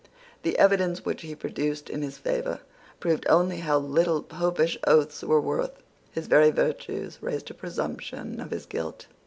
The evidence which he produced in his favour proved only how little Popish oaths were worth. His very virtues raised a presumption of his guilt.